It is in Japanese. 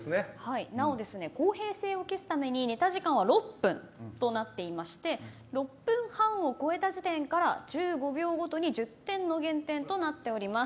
なお公平性を期すためにネタ時間は６分となっていまして６分半を超えた時点から１５秒ごとに１０点の減点となっております。